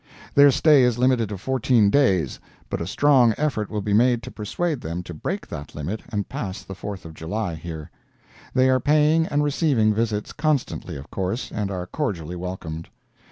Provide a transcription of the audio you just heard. Their stay is limited to fourteen days, but a strong effort will be made to persuade them to break that limit and pass the Fourth of July here. They are paying and receiving visits constantly, of course, and are cordially welcomed.